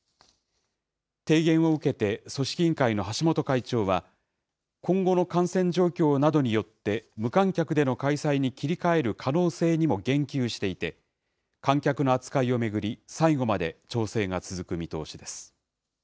提言を受けて、組織委員会の橋本会長は、今後の感染状況などによって無観客での開催に切り替える可能性にも言及していて、観客の扱いを巡り最後まで調整が続く見通しです。